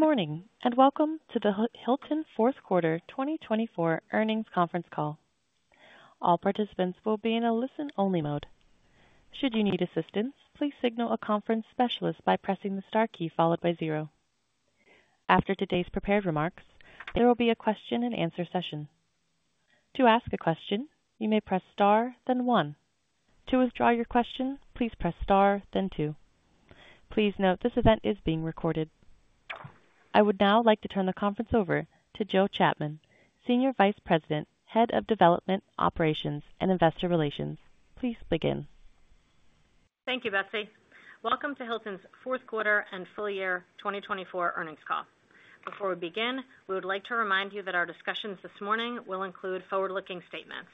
Good morning and welcome to the Hilton Fourth Quarter 2024 earnings conference call. All participants will be in a listen-only mode. Should you need assistance, please signal a conference specialist by pressing the star key followed by zero. After today's prepared remarks, there will be a question-and-answer session. To ask a question, you may press star, then one. To withdraw your question, please press star, then two. Please note this event is being recorded. I would now like to turn the conference over to Jill Chapman, Senior Vice President, Head of Development Operations and Investor Relations. Please begin. Thank you, Betsy. Welcome to Hilton's Fourth Quarter and full year 2024 earnings call. Before we begin, we would like to remind you that our discussions this morning will include forward-looking statements.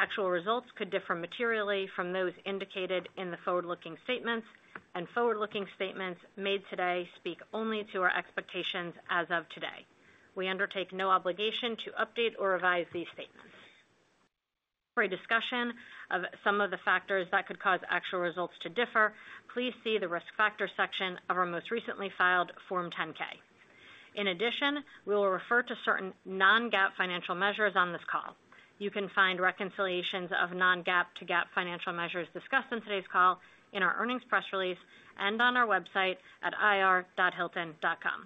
Actual results could differ materially from those indicated in the forward-looking statements, and forward-looking statements made today speak only to our expectations as of today. We undertake no obligation to update or revise these statements. For a discussion of some of the factors that could cause actual results to differ, please see the risk factor section of our most recently filed Form 10-K. In addition, we will refer to certain non-GAAP financial measures on this call. You can find reconciliations of non-GAAP to GAAP financial measures discussed in today's call in our earnings press release and on our website at ir.hilton.com.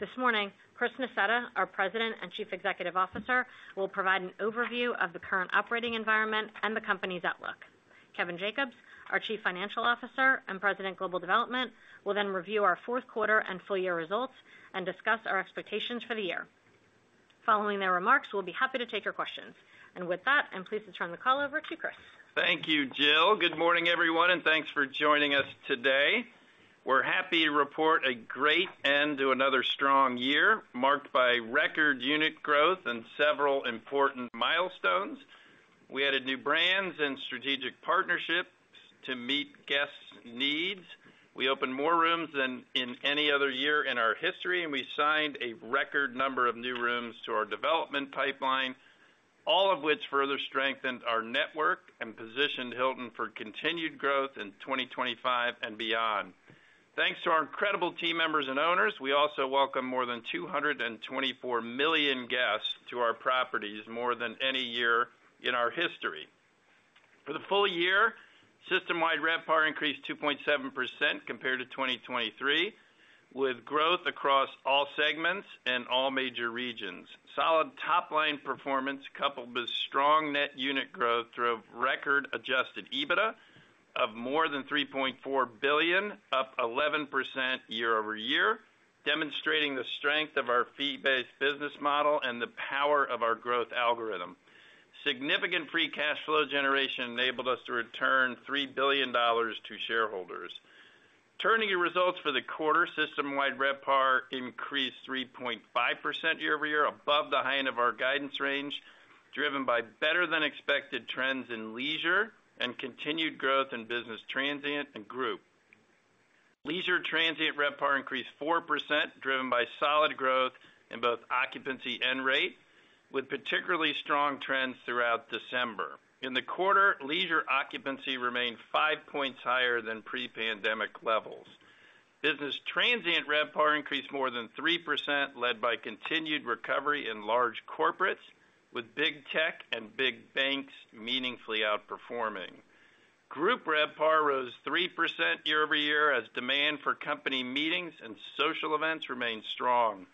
This morning, Chris Nassetta, our President and Chief Executive Officer, will provide an overview of the current operating environment and the company's outlook. Kevin Jacobs, our Chief Financial Officer and President of Global Development, will then review our fourth quarter and full year results and discuss our expectations for the year. Following their remarks, we'll be happy to take your questions, and with that, I'm pleased to turn the call over to Chris. Thank you, Jill. Good morning, everyone, and thanks for joining us today. We're happy to report a great end to another strong year marked by record unit growth and several important milestones. We added new brands and strategic partnerships to meet guests' needs. We opened more rooms than in any other year in our history, and we signed a record number of new rooms to our development pipeline, all of which further strengthened our network and positioned Hilton for continued growth in 2025 and beyond. Thanks to our incredible team members and owners, we also welcome more than 224 million guests to our properties more than any year in our history. For the full year, system-wide RevPAR increased 2.7% compared to 2023, with growth across all segments and all major regions. Solid top-line performance coupled with strong net unit growth drove record adjusted EBITDA of more than $3.4 billion, up 11% year-over-year, demonstrating the strength of our fee-based business model and the power of our growth algorithm. Significant free cash flow generation enabled us to return $3 billion to shareholders. Turning to our results for the quarter, system-wide RevPAR increased 3.5% year-over-year, above the high end of our guidance range, driven by better-than-expected trends in leisure and continued growth in business transient and group. Leisure transient RevPAR increased 4%, driven by solid growth in both occupancy and rate, with particularly strong trends throughout December. In the quarter, leisure occupancy remained five points higher than pre-pandemic levels. Business transient RevPAR increased more than 3%, led by continued recovery in large corporates, with Big Tech and Big Banks meaningfully outperforming. Group RevPAR rose 3% year-over-year as demand for company meetings and social events remained strong.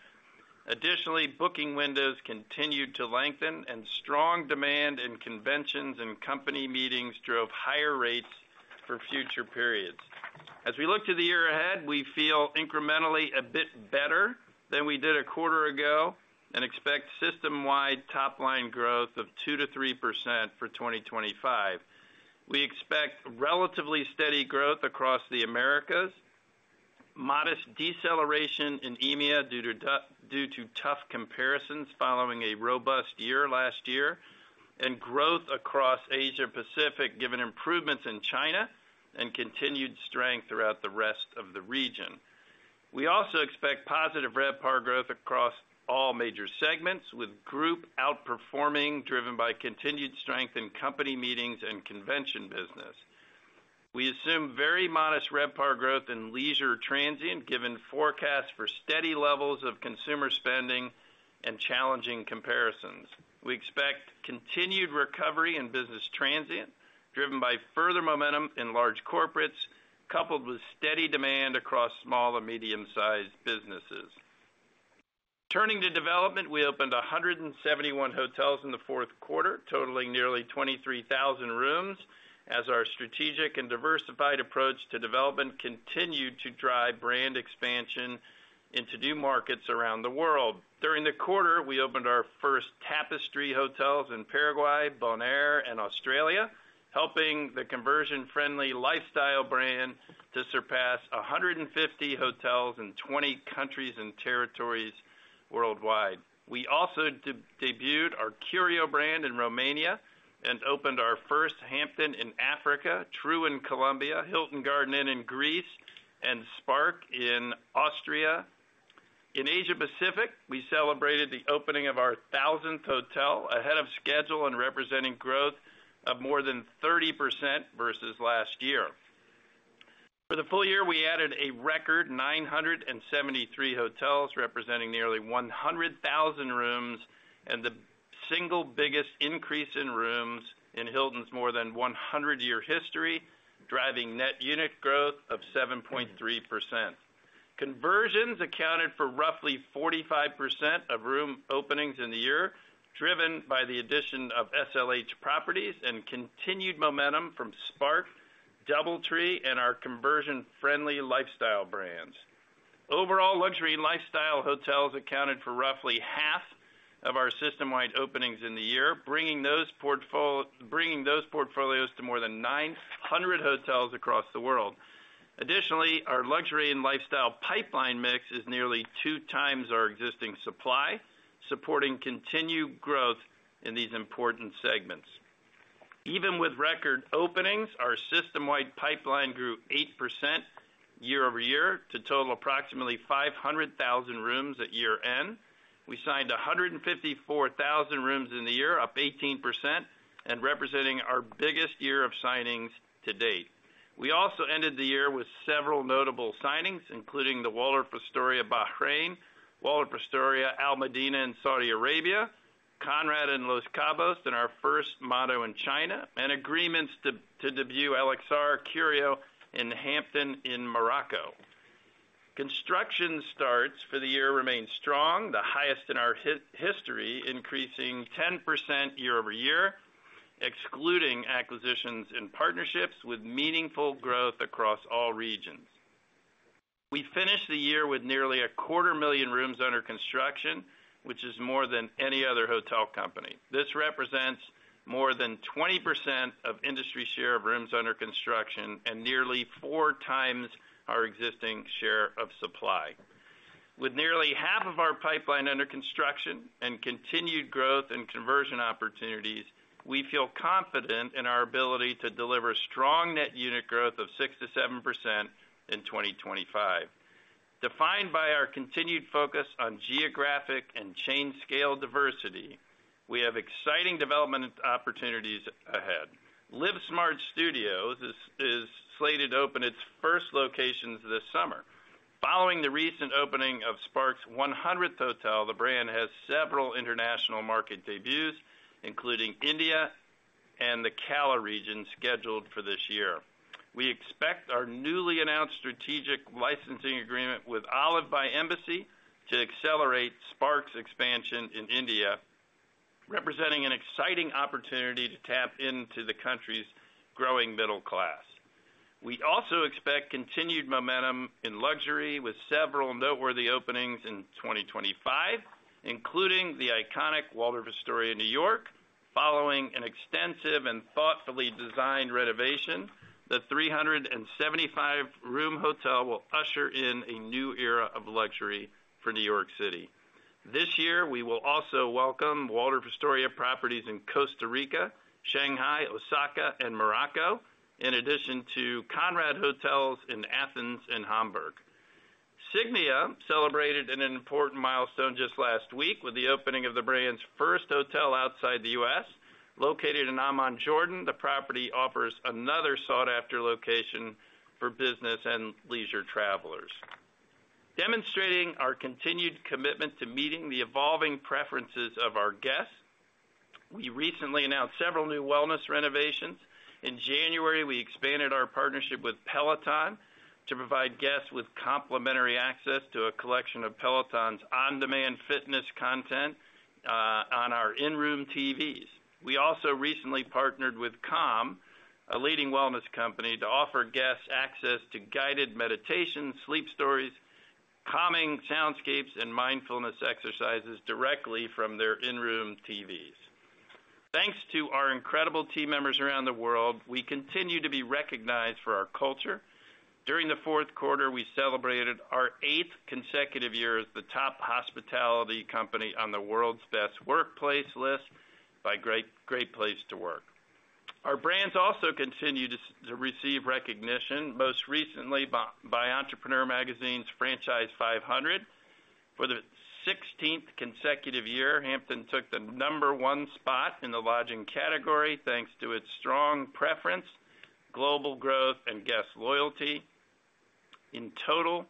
Additionally, booking windows continued to lengthen, and strong demand in conventions and company meetings drove higher rates for future periods. As we look to the year ahead, we feel incrementally a bit better than we did a quarter ago and expect system-wide top-line growth of 2%-3% for 2025. We expect relatively steady growth across the Americas, modest deceleration in EMEA due to tough comparisons following a robust year last year, and growth across Asia-Pacific given improvements in China and continued strength throughout the rest of the region. We also expect positive RevPAR growth across all major segments, with group outperforming driven by continued strength in company meetings and convention business. We assume very modest RevPAR growth in leisure transient given forecasts for steady levels of consumer spending and challenging comparisons. We expect continued recovery in business transient driven by further momentum in large corporates coupled with steady demand across small and medium-sized businesses. Turning to development, we opened 171 hotels in the fourth quarter, totaling nearly 23,000 rooms, as our strategic and diversified approach to development continued to drive brand expansion into new markets around the world. During the quarter, we opened our first Tapestry hotels in Paraguay, Bonaire, and Australia, helping the conversion-friendly lifestyle brand to surpass 150 hotels in 20 countries and territories worldwide. We also debuted our Curio brand in Romania and opened our first Hampton in Africa, Tru in Colombia, Hilton Garden Inn in Greece, and Spark in Austria. In Asia-Pacific, we celebrated the opening of our 1,000th hotel ahead of schedule and representing growth of more than 30% versus last year. For the full year, we added a record 973 hotels representing nearly 100,000 rooms and the single biggest increase in rooms in Hilton's more than 100-year history, driving net unit growth of 7.3%. Conversions accounted for roughly 45% of room openings in the year, driven by the addition of SLH properties and continued momentum from Spark, DoubleTree, and our conversion-friendly lifestyle brands. Overall, luxury and lifestyle hotels accounted for roughly half of our system-wide openings in the year, bringing those portfolios to more than 900 hotels across the world. Additionally, our luxury and lifestyle pipeline mix is nearly two times our existing supply, supporting continued growth in these important segments. Even with record openings, our system-wide pipeline grew 8% year-over-year to total approximately 500,000 rooms at year-end. We signed 154,000 rooms in the year, up 18%, and representing our biggest year of signings to date. We also ended the year with several notable signings, including the Waldorf Astoria Bahrain, Waldorf Astoria Al Madinah in Saudi Arabia, Conrad in Los Cabos, and our first Motto in China, and agreements to debut LXR, Curio, and Hampton in Morocco. Construction starts for the year remain strong, the highest in our history, increasing 10% year-over-year, excluding acquisitions and partnerships, with meaningful growth across all regions. We finished the year with nearly 250,000 rooms under construction, which is more than any other hotel company. This represents more than 20% of industry share of rooms under construction and nearly four times our existing share of supply. With nearly half of our pipeline under construction and continued growth and conversion opportunities, we feel confident in our ability to deliver strong net unit growth of 6% to 7% in 2025. Defined by our continued focus on geographic and chain-scale diversity, we have exciting development opportunities ahead. LivSmart Studios is slated to open its first locations this summer. Following the recent opening of Spark's 100th hotel, the brand has several international market debuts, including India and the Kerala region scheduled for this year. We expect our newly announced strategic licensing agreement with Olive by Embassy to accelerate Spark's expansion in India, representing an exciting opportunity to tap into the country's growing middle class. We also expect continued momentum in luxury with several noteworthy openings in 2025, including the iconic Waldorf Astoria New York. Following an extensive and thoughtfully designed renovation, the 375-room hotel will usher in a new era of luxury for New York City. This year, we will also welcome Waldorf Astoria properties in Costa Rica, Shanghai, Osaka, and Morocco, in addition to Conrad Hotels in Athens and Hamburg. Signia celebrated an important milestone just last week with the opening of the brand's first hotel outside the U.S. Located in Amman, Jordan, the property offers another sought-after location for business and leisure travelers. Demonstrating our continued commitment to meeting the evolving preferences of our guests, we recently announced several new wellness renovations. In January, we expanded our partnership with Peloton to provide guests with complimentary access to a collection of Peloton's on-demand fitness content on our in-room TVs. We also recently partnered with Calm, a leading wellness company, to offer guests access to guided meditation, sleep stories, calming soundscapes, and mindfulness exercises directly from their in-room TVs. Thanks to our incredible team members around the world, we continue to be recognized for our culture. During the fourth quarter, we celebrated our eighth consecutive year as the top hospitality company on the world's best workplace list by Great Place to Work. Our brands also continue to receive recognition, most recently by Entrepreneur magazine's Franchise 500. For the 16th consecutive year, Hampton took the number one spot in the lodging category thanks to its strong preference, global growth, and guest loyalty. In total,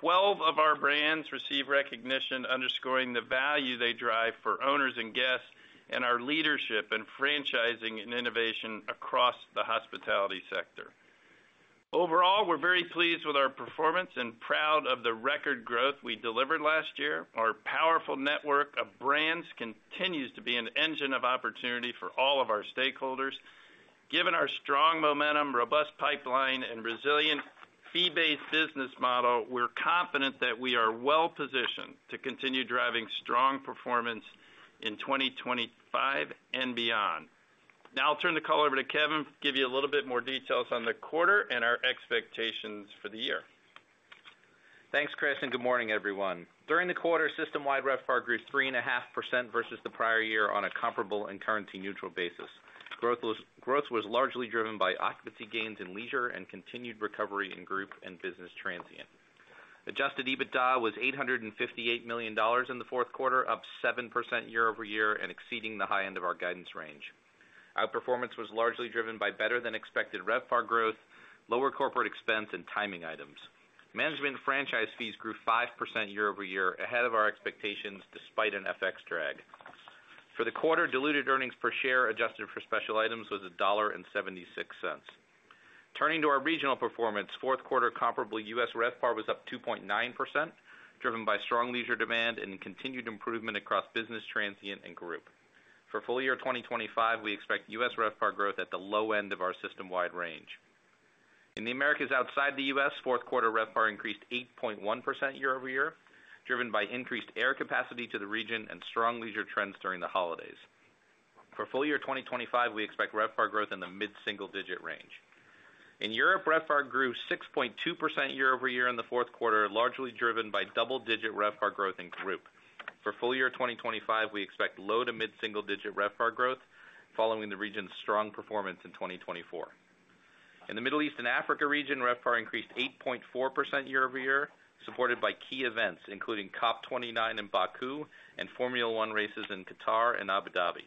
12 of our brands receive recognition, underscoring the value they drive for owners and guests and our leadership in franchising and innovation across the hospitality sector. Overall, we're very pleased with our performance and proud of the record growth we delivered last year. Our powerful network of brands continues to be an engine of opportunity for all of our stakeholders. Given our strong momentum, robust pipeline, and resilient fee-based business model, we're confident that we are well-positioned to continue driving strong performance in 2025 and beyond. Now I'll turn the call over to Kevin to give you a little bit more details on the quarter and our expectations for the year. Thanks, Chris, and good morning, everyone. During the quarter, system-wide RevPAR grew 3.5% versus the prior year on a comparable and currency-neutral basis. Growth was largely driven by occupancy gains in leisure and continued recovery in group and business transient. Adjusted EBITDA was $858 million in the fourth quarter, up 7% year-over-year and exceeding the high end of our guidance range. Our performance was largely driven by better-than-expected RevPAR growth, lower corporate expense, and timing items. Management franchise fees grew 5% year-over-year ahead of our expectations despite an FX drag. For the quarter, diluted earnings per share adjusted for special items was $1.76. Turning to our regional performance, fourth quarter comparable U.S. RevPAR was up 2.9%, driven by strong leisure demand and continued improvement across business transient and group. For full year 2025, we expect U.S. RevPAR growth at the low end of our system-wide range. In the Americas outside the U.S., fourth quarter RevPAR increased 8.1% year-over-year, driven by increased air capacity to the region and strong leisure trends during the holidays. For full year 2025, we expect RevPAR growth in the mid-single-digit range. In Europe, RevPAR grew 6.2% year-over-year in the fourth quarter, largely driven by double-digit RevPAR growth in group. For full year 2025, we expect low to mid-single-digit RevPAR growth following the region's strong performance in 2024. In the Middle East and Africa region, RevPAR increased 8.4% year-over-year, supported by key events including COP29 in Baku and Formula 1 races in Qatar and Abu Dhabi.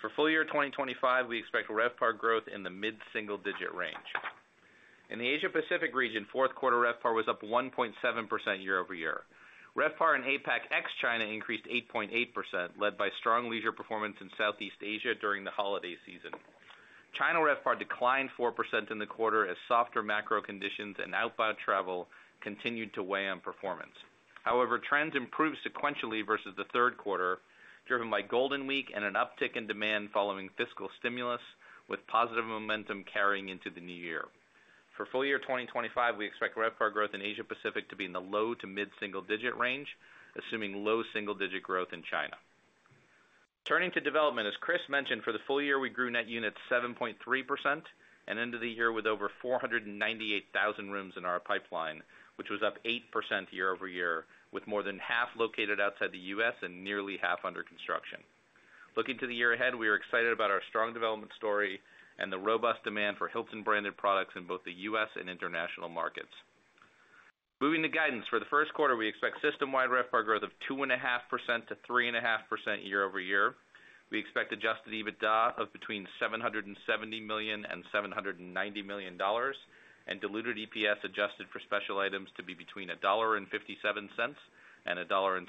For full year 2025, we expect RevPAR growth in the mid-single-digit range. In the Asia-Pacific region, fourth quarter RevPAR was up 1.7% year-over-year. RevPAR in APAC ex-China increased 8.8%, led by strong leisure performance in Southeast Asia during the holiday season. China RevPAR declined 4% in the quarter as softer macro conditions and outbound travel continued to weigh on performance. However, trends improved sequentially versus the third quarter, driven by Golden Week and an uptick in demand following fiscal stimulus, with positive momentum carrying into the new year. For full year 2025, we expect RevPAR growth in Asia-Pacific to be in the low to mid-single-digit range, assuming low single-digit growth in China. Turning to development, as Chris mentioned, for the full year we grew net units 7.3% and ended the year with over 498,000 rooms in our pipeline, which was up 8% year-over-year, with more than half located outside the U.S. and nearly half under construction. Looking to the year ahead, we are excited about our strong development story and the robust demand for Hilton-branded products in both the U.S. and international markets. Moving to guidance, for the first quarter, we expect system-wide RevPAR growth of 2.5%-3.5% year-over-year. We expect Adjusted EBITDA of between $770 million and $790 million and diluted EPS adjusted for special items to be between $1.57 and $1.63.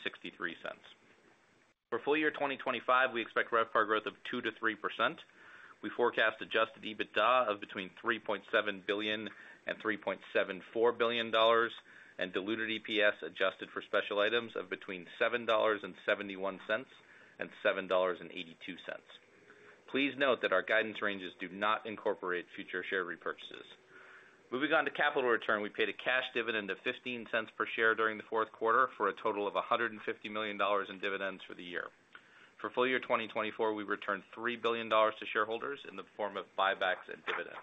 For full year 2025, we expect RevPAR growth of 2%-3%. We forecast Adjusted EBITDA of between $3.7 billion and $3.74 billion and diluted EPS adjusted for special items of between $7.71 and $7.82. Please note that our guidance ranges do not incorporate future share repurchases. Moving on to capital return, we paid a cash dividend of 15 cents per share during the fourth quarter for a total of $150 million in dividends for the year. For full year 2024, we returned $3 billion to shareholders in the form of buybacks and dividends.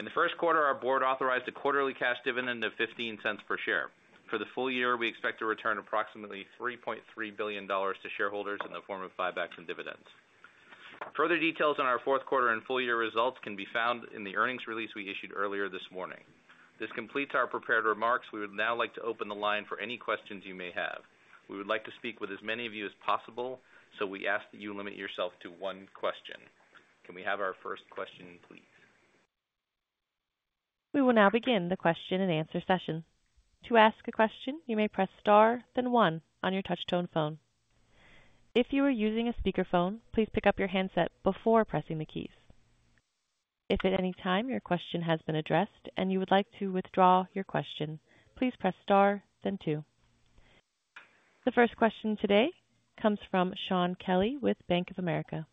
In the first quarter, our board authorized a quarterly cash dividend of 15 cents per share. For the full year, we expect to return approximately $3.3 billion to shareholders in the form of buybacks and dividends. Further details on our fourth quarter and full year results can be found in the earnings release we issued earlier this morning. This completes our prepared remarks. We would now like to open the line for any questions you may have. We would like to speak with as many of you as possible, so we ask that you limit yourself to one question. Can we have our first question, please? We will now begin the question and answer session. To ask a question, you may press star, then one on your Touchtone phone. If you are using a speakerphone, please pick up your handset before pressing the keys. If at any time your question has been addressed and you would like to withdraw your question, please press star, then two. The first question today comes from Shaun Kelley with Bank of America.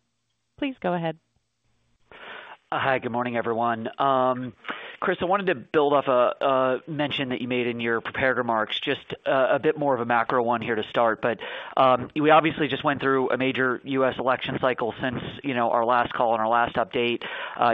Please go ahead. Hi, good morning, everyone. Chris, I wanted to build off a mention that you made in your prepared remarks, just a bit more of a macro one here to start. But we obviously just went through a major U.S. election cycle since our last call and our last update.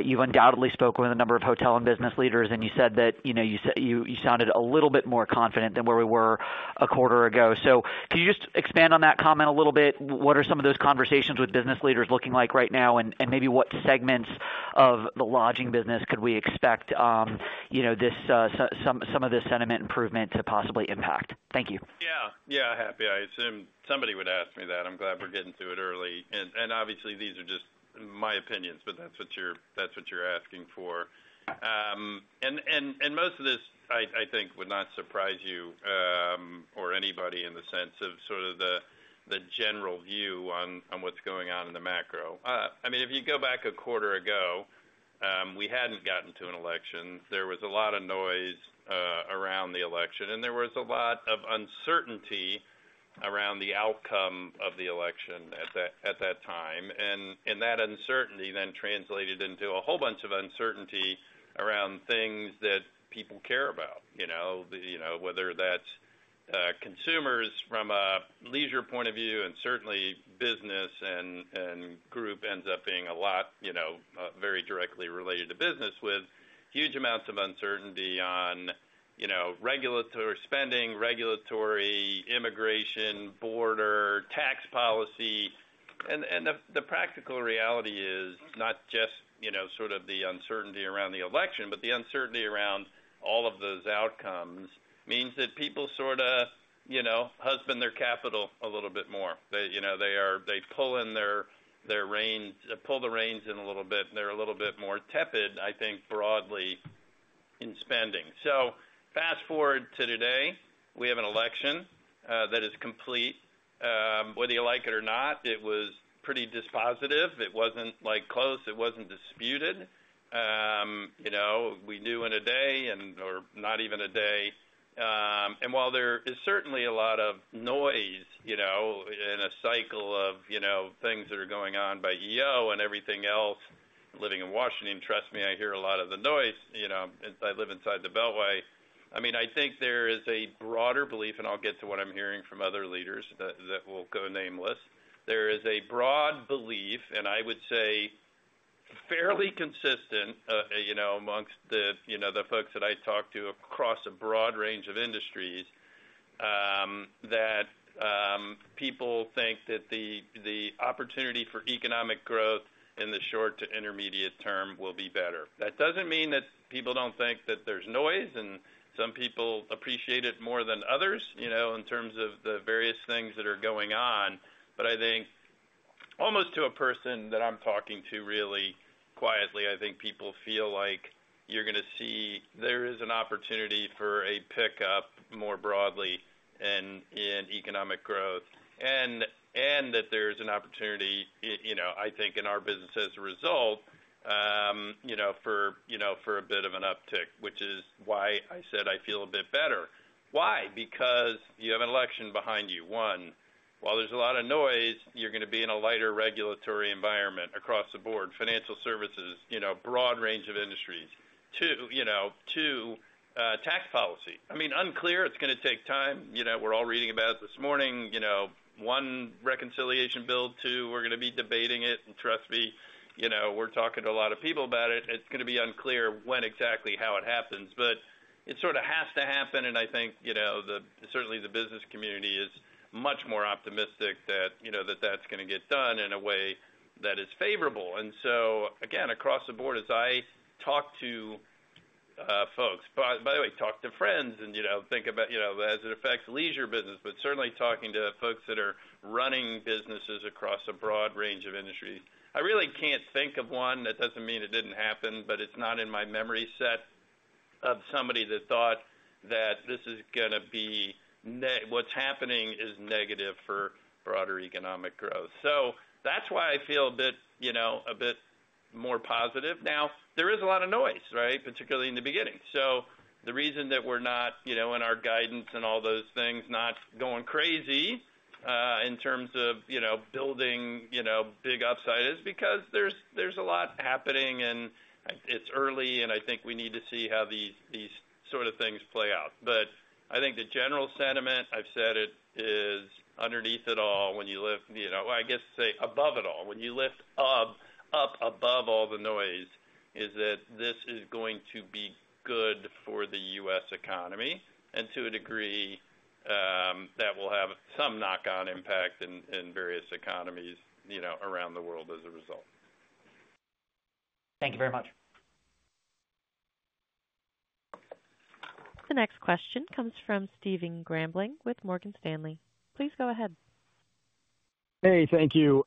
You've undoubtedly spoken with a number of hotel and business leaders, and you said that you sounded a little bit more confident than where we were a quarter ago. So can you just expand on that comment a little bit? What are some of those conversations with business leaders looking like right now, and maybe what segments of the lodging business could we expect some of this sentiment improvement to possibly impact? Thank you. Yeah, yeah. Happy. I assumed somebody would ask me that. I'm glad we're getting to it early. And obviously, these are just my opinions, but that's what you're asking for. And most of this, I think, would not surprise you or anybody in the sense of sort of the general view on what's going on in the macro. I mean, if you go back a quarter ago, we hadn't gotten to an election. There was a lot of noise around the election, and there was a lot of uncertainty around the outcome of the election at that time. That uncertainty then translated into a whole bunch of uncertainty around things that people care about, whether that's consumers from a leisure point of view, and certainly business and group ends up being a lot very directly related to business with huge amounts of uncertainty on regulatory spending, regulatory immigration, border, tax policy, and the practical reality is not just sort of the uncertainty around the election, but the uncertainty around all of those outcomes means that people sort of husband their capital a little bit more. They pull in their reins, pull the reins in a little bit, and they're a little bit more tepid, I think, broadly in spending, so fast forward to today, we have an election that is complete. Whether you like it or not, it was pretty dispositive. It wasn't close. It wasn't disputed. We knew in a day and/or not even a day. While there is certainly a lot of noise in a cycle of things that are going on by EO and everything else. Living in Washington, trust me, I hear a lot of the noise since I live inside the Beltway. I mean, I think there is a broader belief, and I'll get to what I'm hearing from other leaders that will go nameless. There is a broad belief, and I would say fairly consistent among the folks that I talk to across a broad range of industries, that people think that the opportunity for economic growth in the short to intermediate term will be better. That doesn't mean that people don't think that there's noise, and some people appreciate it more than others in terms of the various things that are going on. But I think almost to a person that I'm talking to really quietly, I think people feel like you're going to see there is an opportunity for a pickup more broadly in economic growth and that there is an opportunity, I think, in our business as a result for a bit of an uptick, which is why I said I feel a bit better. Why? Because you have an election behind you. One, while there's a lot of noise, you're going to be in a lighter regulatory environment across the board, financial services, broad range of industries. Two, tax policy. I mean, unclear. It's going to take time. We're all reading about it this morning. One reconciliation bill, two, we're going to be debating it. And trust me, we're talking to a lot of people about it. It's going to be unclear when exactly how it happens, but it sort of has to happen. And I think certainly the business community is much more optimistic that that's going to get done in a way that is favorable. And so again, across the board, as I talk to folks, by the way, talk to friends and think about as it affects leisure business, but certainly talking to folks that are running businesses across a broad range of industries. I really can't think of one. That doesn't mean it didn't happen, but it's not in my memory set of somebody that thought that this is going to be what's happening is negative for broader economic growth. So that's why I feel a bit more positive. Now, there is a lot of noise, right, particularly in the beginning. So the reason that we're not in our guidance and all those things not going crazy in terms of building big upside is because there's a lot happening and it's early, and I think we need to see how these sort of things play out. But I think the general sentiment, I've said it, is underneath it all when you lift well, I guess say above it all, when you lift up above all the noise, is that this is going to be good for the U.S. economy and to a degree that will have some knock-on impact in various economies around the world as a result. Thank you very much. The next question comes from Stephen Grambling with Morgan Stanley. Please go ahead. Hey, thank you.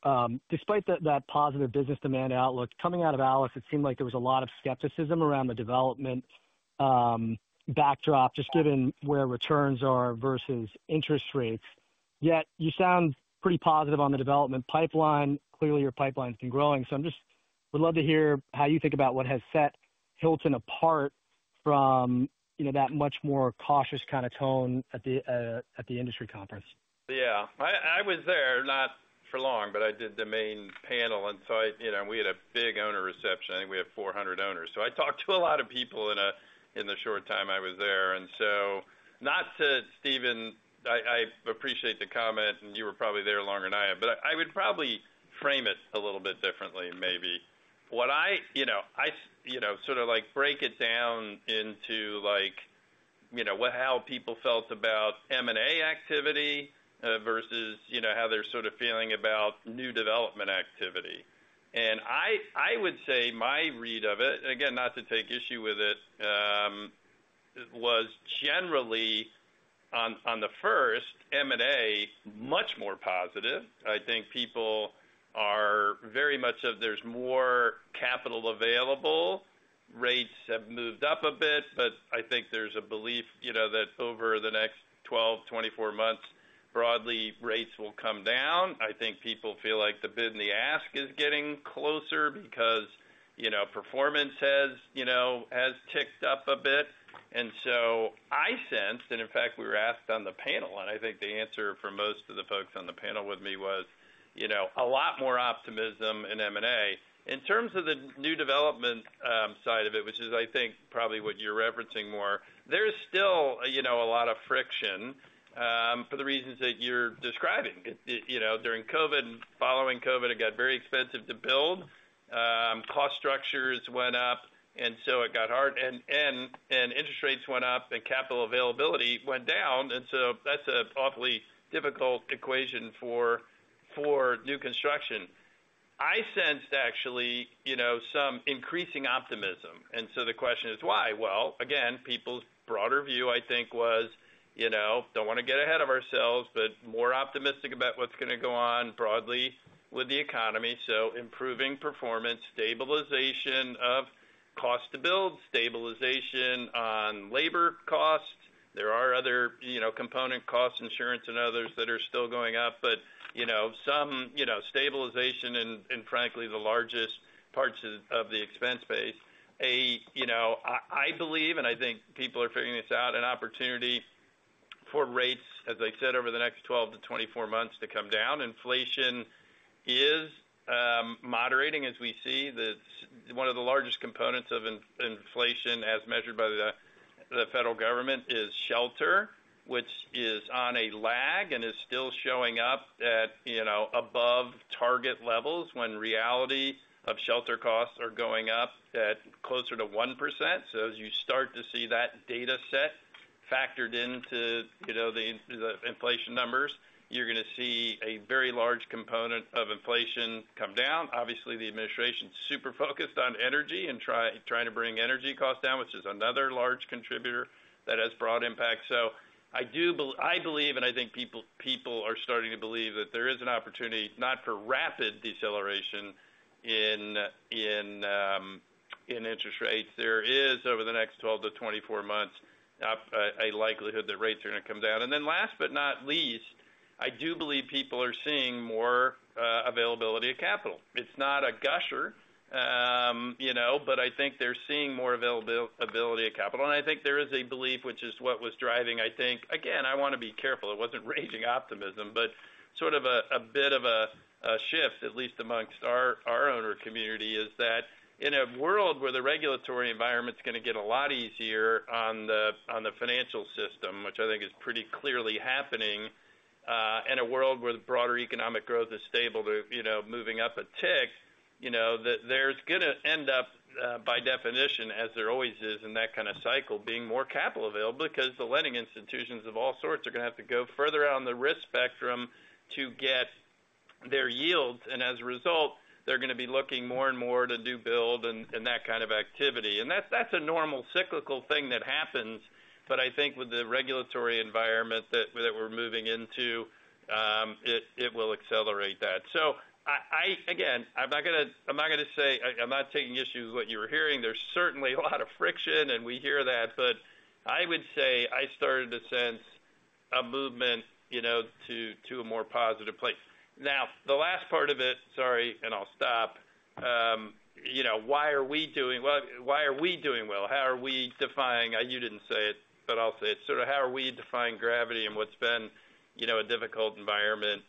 Despite that positive business demand outlook coming out of ALIS, it seemed like there was a lot of skepticism around the development backdrop, just given where returns are versus interest rates. Yet you sound pretty positive on the development pipeline. Clearly, your pipeline's been growing. So I just would love to hear how you think about what has set Hilton apart from that much more cautious kind of tone at the industry conference. Yeah. I was there not for long, but I did the main panel. And so we had a big owner reception. I think we had 400 owners. So I talked to a lot of people in the short time I was there. And so not to Stephen, I appreciate the comment, and you were probably there longer than I am, but I would probably frame it a little bit differently, maybe. What I sort of break it down into how people felt about M&A activity versus how they're sort of feeling about new development activity. And I would say my read of it, again, not to take issue with it, was generally on the first, M&A much more positive. I think people are very much of there's more capital available. Rates have moved up a bit, but I think there's a belief that over the next 12, 24 months, broadly, rates will come down. I think people feel like the bid and the ask is getting closer because performance has ticked up a bit. And so I sensed, and in fact, we were asked on the panel, and I think the answer for most of the folks on the panel with me was a lot more optimism in M&A. In terms of the new development side of it, which is, I think, probably what you're referencing more, there's still a lot of friction for the reasons that you're describing. During COVID and following COVID, it got very expensive to build. Cost structures went up, and so it got hard. And interest rates went up and capital availability went down. And so that's an awfully difficult equation for new construction. I sensed actually some increasing optimism, and so the question is why? Well, again, people's broader view, I think, was don't want to get ahead of ourselves, but more optimistic about what's going to go on broadly with the economy, so improving performance, stabilization of cost to build, stabilization on labor costs. There are other component costs, insurance, and others that are still going up, but some stabilization in, frankly, the largest parts of the expense base. I believe, and I think people are figuring this out, an opportunity for rates, as I said, over the next 12 to 24 months to come down. Inflation is moderating, as we see. One of the largest components of inflation, as measured by the federal government, is shelter, which is on a lag and is still showing up at above target levels when reality of shelter costs are going up at closer to 1%. So as you start to see that data set factored into the inflation numbers, you're going to see a very large component of inflation come down. Obviously, the administration is super focused on energy and trying to bring energy costs down, which is another large contributor that has broad impact. So I believe, and I think people are starting to believe that there is an opportunity not for rapid deceleration in interest rates. There is, over the next 12-24 months, a likelihood that rates are going to come down. And then last but not least, I do believe people are seeing more availability of capital. It's not a gusher, but I think they're seeing more availability of capital. And I think there is a belief, which is what was driving, I think, again, I want to be careful. It wasn't raging optimism, but sort of a bit of a shift, at least amongst our owner community, is that in a world where the regulatory environment's going to get a lot easier on the financial system, which I think is pretty clearly happening, and a world where the broader economic growth is stable to moving up a tick, there's going to end up, by definition, as there always is in that kind of cycle, being more capital available because the lending institutions of all sorts are going to have to go further out on the risk spectrum to get their yields. And as a result, they're going to be looking more and more to do build and that kind of activity. And that's a normal cyclical thing that happens. But I think with the regulatory environment that we're moving into, it will accelerate that. So again, I'm not going to say I'm not taking issue with what you were hearing. There's certainly a lot of friction, and we hear that. But I would say I started to sense a movement to a more positive place. Now, the last part of it, sorry, and I'll stop. Why are we doing well? Why are we doing well? How are we defying? You didn't say it, but I'll say it. Sort of how are we defying gravity and what's been a difficult environment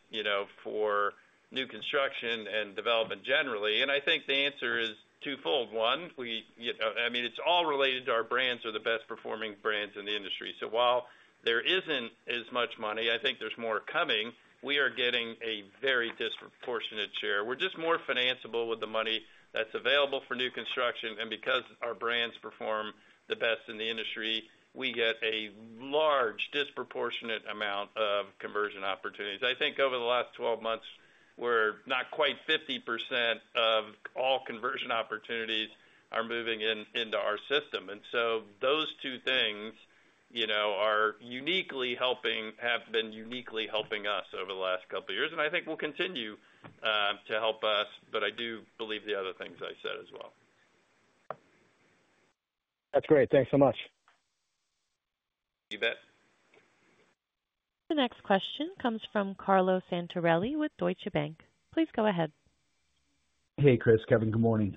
for new construction and development generally? And I think the answer is twofold. One, I mean, it's all related to our brands are the best performing brands in the industry. So while there isn't as much money, I think there's more coming, we are getting a very disproportionate share. We're just more financeable with the money that's available for new construction. And because our brands perform the best in the industry, we get a large disproportionate amount of conversion opportunities. I think over the last 12 months, we're not quite 50% of all conversion opportunities are moving into our system. And so those two things are uniquely helping, have been uniquely helping us over the last couple of years, and I think will continue to help us. But I do believe the other things I said as well. That's great. Thanks so much. You bet. The next question comes from Carlo Santarelli with Deutsche Bank. Please go ahead. Hey, Chris, Kevin, good morning.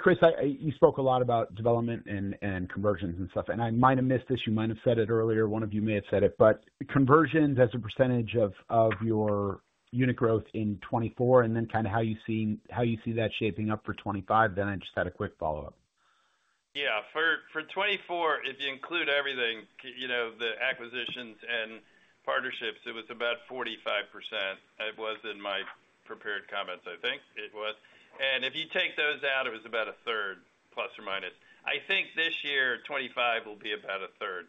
Chris, you spoke a lot about development and conversions and stuff. And I might have missed this. You might have said it earlier. One of you may have said it, but conversions as a percentage of your unit growth in 2024 and then kind of how you see that shaping up for 2025. Then I just had a quick follow-up. Yeah. For 2024, if you include everything, the acquisitions and partnerships, it was about 45%. It was in my prepared comments, I think it was. And if you take those out, it was about a third, plus or minus. I think this year, 2025 will be about a third.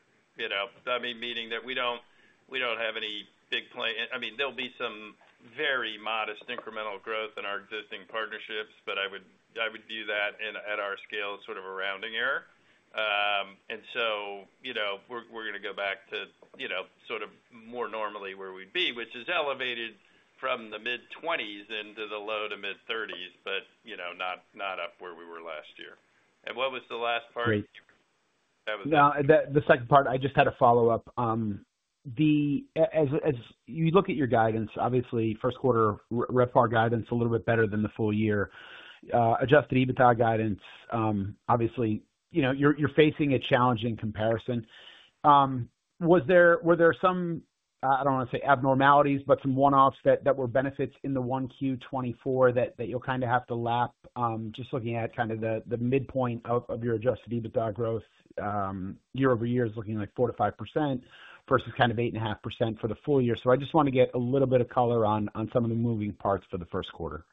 That means, meaning that we don't have any big play. I mean, there'll be some very modest incremental growth in our existing partnerships, but I would view that at our scale as sort of a rounding error. And so we're going to go back to sort of more normally where we'd be, which is elevated from the mid-20s% into the low to mid-30s%, but not up where we were last year. And what was the last part? Great. Now, the second part, I just had a follow-up. As you look at your guidance, obviously, first quarter RevPAR guidance a little bit better than the full year. Adjusted EBITDA guidance, obviously, you're facing a challenge in comparison. Were there some, I don't want to say abnormalities, but some one-offs that were benefits in the 1Q24 that you'll kind of have to lap just looking at kind of the midpoint of your adjusted EBITDA growth year-over-year is looking like 4%-5% versus kind of 8.5% for the full year. So I just want to get a little bit of color on some of the moving parts for the first quarter.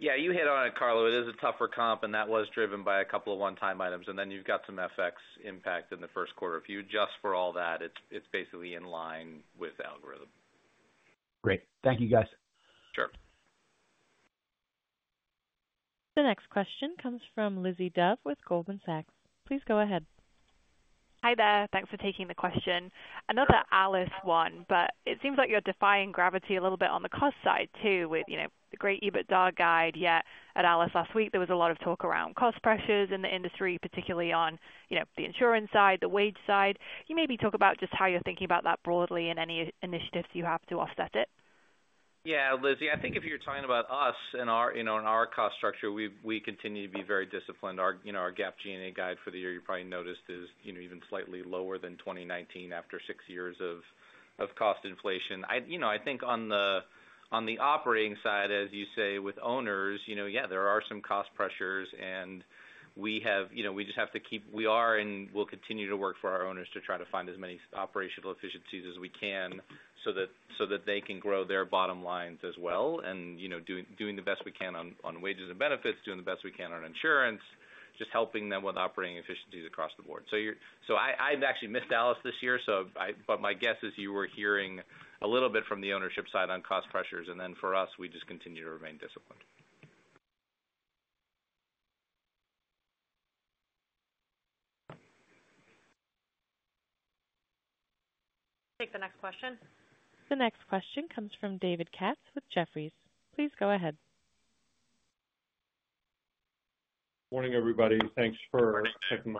Yeah. You hit on it, Carlo. It is a tougher comp, and that was driven by a couple of one-time items, and then you've got some FX impact in the first quarter. If you adjust for all that, it's basically in line with algorithm. Great. Thank you, guys. Sure. The next question comes from Lizzie Dove with Goldman Sachs. Please go ahead. Hi there. Thanks for taking the question. I know that at ALIS, but it seems like you're defying gravity a little bit on the cost side too with the great EBITDA guide. Yet at ALIS last week, there was a lot of talk around cost pressures in the industry, particularly on the insurance side, the wage side. Can you maybe talk about just how you're thinking about that broadly and any initiatives you have to offset it? Yeah, Lizzie, I think if you're talking about us and our cost structure, we continue to be very disciplined. Our GAAP G&A guide for the year, you probably noticed, is even slightly lower than 2019 after six years of cost inflation. I think on the operating side, as you say, with owners, yeah, there are some cost pressures, and we just have to keep we are and will continue to work for our owners to try to find as many operational efficiencies as we can so that they can grow their bottom lines as well and doing the best we can on wages and benefits, doing the best we can on insurance, just helping them with operating efficiencies across the board. So I've actually missed ALIS this year, but my guess is you were hearing a little bit from the ownership side on cost pressures. And then for us, we just continue to remain disciplined. Take the next question. The next question comes from David Katz with Jefferies. Please go ahead. Morning, everybody. Thanks for checking. It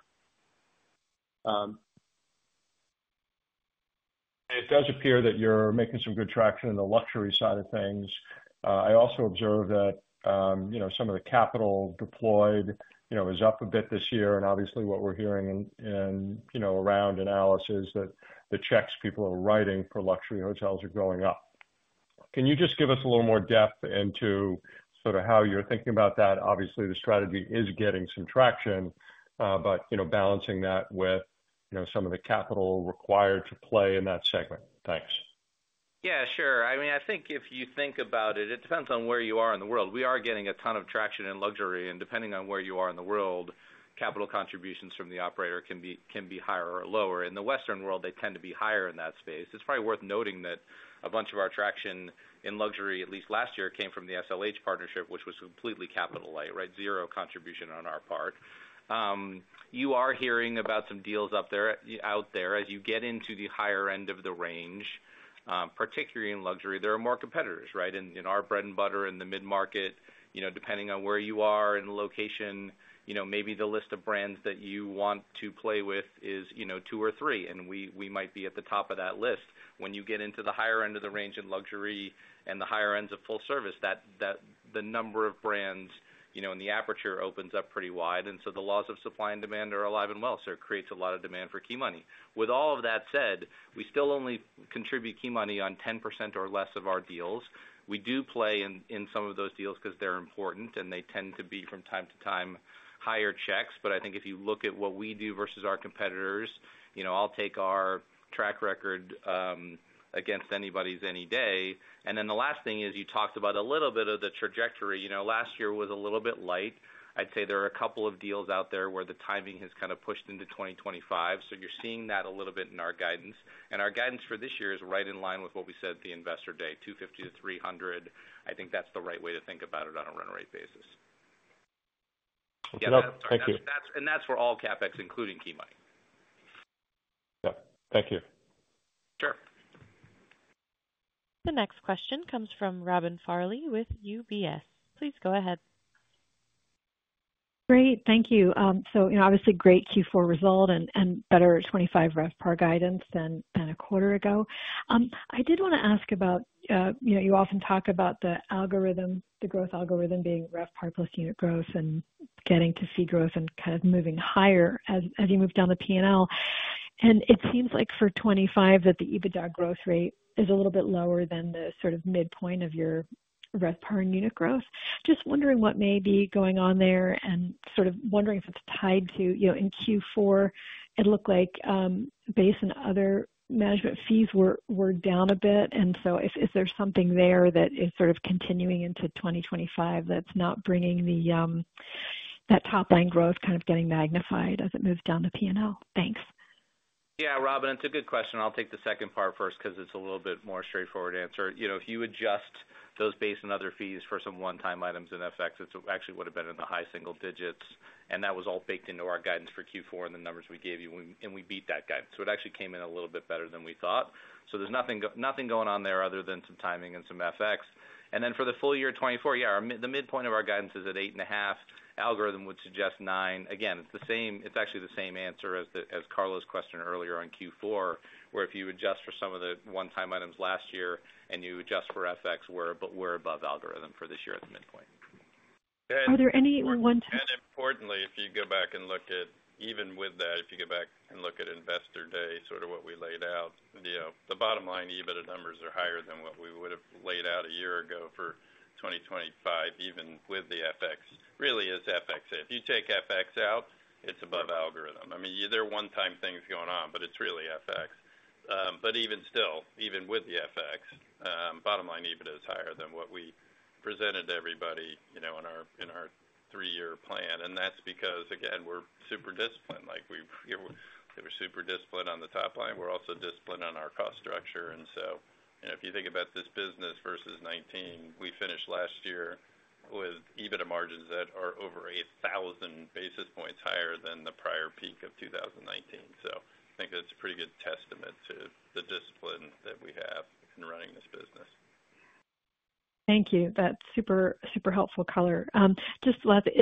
does appear that you're making some good traction in the luxury side of things. I also observe that some of the capital deployed is up a bit this year. And obviously, what we're hearing around at ALIS is that the checks people are writing for luxury hotels are going up. Can you just give us a little more depth into sort of how you're thinking about that? Obviously, the strategy is getting some traction, but balancing that with some of the capital required to play in that segment. Thanks. Yeah, sure. I mean, I think if you think about it, it depends on where you are in the world. We are getting a ton of traction in luxury and depending on where you are in the world, capital contributions from the operator can be higher or lower. In the Western world, they tend to be higher in that space. It's probably worth noting that a bunch of our traction in luxury, at least last year, came from the SLH partnership, which was completely capital light, right? You are hearing about some deals out there. As you get into the higher end of the range, particularly in luxury, there are more competitors, right? In our bread and butter in the mid-market, depending on where you are in the location, maybe the list of brands that you want to play with is two or three, and we might be at the top of that list. When you get into the higher end of the range in luxury and the higher ends of full service, the number of brands in the aperture opens up pretty wide. And so the laws of supply and demand are alive and well. So it creates a lot of demand for key money. With all of that said, we still only contribute key money on 10% or less of our deals. We do play in some of those deals because they're important, and they tend to be from time to time higher checks. But I think if you look at what we do versus our competitors, I'll take our track record against anybody's any day. And then the last thing is you talked about a little bit of the trajectory. Last year was a little bit light. I'd say there are a couple of deals out there where the timing has kind of pushed into 2025. So you're seeing that a little bit in our guidance. And our guidance for this year is right in line with what we said at the investor day, 250-300. I think that's the right way to think about it on a run rate basis. Yep. Thank you. And that's for all CapEx, including key money. Yep. Thank you. Sure. The next question comes from Robin Farley with UBS. Please go ahead. Great. Thank you. So obviously, great Q4 result and better 2025 RevPAR guidance than a quarter ago. I did want to ask about, you often talk about the algorithm, the growth algorithm being RevPAR plus unit growth and getting to see growth and kind of moving higher as you move down the P&L. And it seems like for 2025 that the EBITDA growth rate is a little bit lower than the sort of midpoint of your RevPAR and unit growth. Just wondering what may be going on there and sort of wondering if it's tied to, in Q4, it looked like base and other management fees were down a bit. And so is there something there that is sort of continuing into 2025 that's not bringing that top-line growth kind of getting magnified as it moves down the P&L? Thanks. Yeah, Robin, it's a good question. I'll take the second part first because it's a little bit more straightforward answer. If you adjust those base and other fees for some one-time items and FX, it actually would have been in the high single digits. And that was all baked into our guidance for Q4 and the numbers we gave you. And we beat that guidance. So it actually came in a little bit better than we thought. So there's nothing going on there other than some timing and some FX. And then for the full year 2024, yeah, the midpoint of our guidance is at 8.5. Algorithm would suggest 9. Again, it's actually the same answer as Carlo's question earlier on Q4, where if you adjust for some of the one-time items last year and you adjust for FX, we're above algorithm for this year at the midpoint. Are there any one-time? And importantly, if you go back and look at even with that, if you go back and look at investor day, sort of what we laid out, the bottom line EBITDA numbers are higher than what we would have laid out a year ago for 2025, even with the FX. Really, it's FX. If you take FX out, it's above algorithm. I mean, there are one-time things going on, but it's really FX. But even still, even with the FX, bottom line EBITDA is higher than what we presented to everybody in our three-year plan. And that's because, again, we're super disciplined. We were super disciplined on the top line. We're also disciplined on our cost structure. And so if you think about this business versus 2019, we finished last year with EBITDA margins that are over 1,000 basis points higher than the prior peak of 2019. So I think that's a pretty good testament to the discipline that we have in running this business. Thank you. That's super helpful, Carlo. Just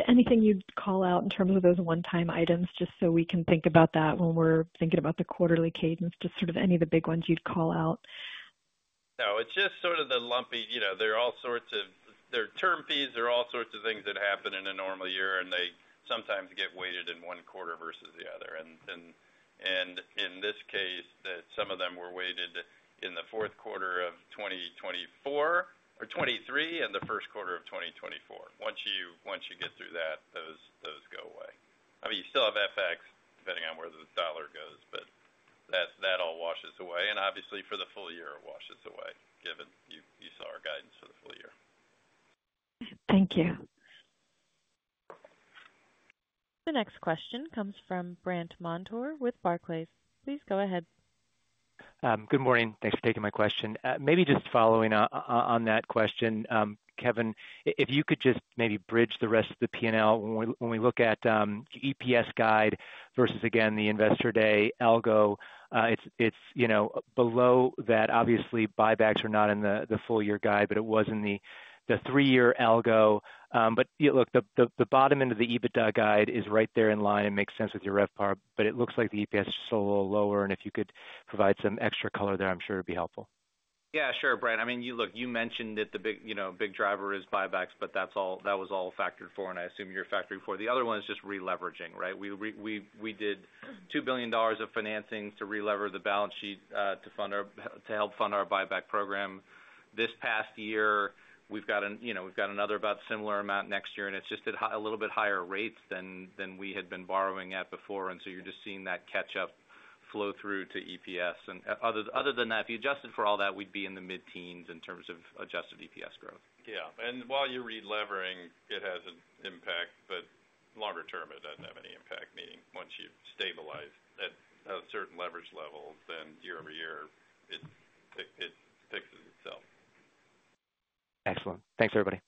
anything you'd call out in terms of those one-time items, just so we can think about that when we're thinking about the quarterly cadence, just sort of any of the big ones you'd call out. No, it's just sort of the lumpy. There are all sorts of termination fees. There are all sorts of things that happen in a normal year, and they sometimes get weighted in one quarter versus the other. And in this case, some of them were weighted in the fourth quarter of 2024 or 2023 and the first quarter of 2024. Once you get through that, those go away. I mean, you still have FX depending on where the dollar goes, but that all washes away. And obviously, for the full year, it washes away, given you saw our guidance for the full year. Thank you. The next question comes from Brant Montour with Barclays. Please go ahead. Good morning. Thanks for taking my question. Maybe just following on that question, Kevin, if you could just maybe bridge the rest of the P&L. When we look at EPS guide versus, again, the investor day, algo, it's below that. Obviously, buybacks are not in the full year guide, but it was in the three-year algo. But look, the bottom end of the EBITDA guide is right there in line. It makes sense with your RevPAR, but it looks like the EPS is just a little lower. And if you could provide some extra color there, I'm sure it'd be helpful. Yeah, sure, Brant. I mean, look, you mentioned that the big driver is buybacks, but that was all factored for, and I assume you're factoring for. The other one is just releveraging, right? We did $2 billion of financing to releverage the balance sheet to help fund our buyback program. This past year, we've got another about similar amount next year, and it's just at a little bit higher rates than we had been borrowing at before. And so you're just seeing that catch-up flow through to EPS. And other than that, if you adjusted for all that, we'd be in the mid-teens in terms of adjusted EPS growth. Yeah, and while you're releveraging, it has an impact, but longer term, it doesn't have any impact, meaning once you've stabilized at a certain leverage level, then year-over-year, it fixes itself. Excellent. Thanks, everybody.